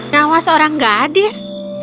nyawa seorang gadis